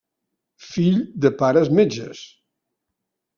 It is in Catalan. Fill de pares metges.